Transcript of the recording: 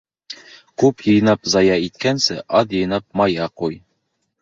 Күп йыйнап зая иткәнсе, аҙ йыйнап мая ҡуй.